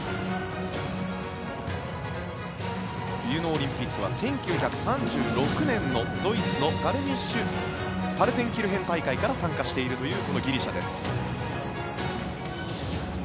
冬のオリンピックは１９３６年のドイツのガルミッシュ・パルテンキルヘン大会から参加しているというこのギリシャです。